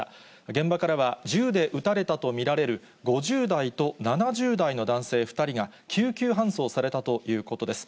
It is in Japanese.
現場からは、銃で撃たれたと見られる５０代と７０代の男性２人が、救急搬送されたということです。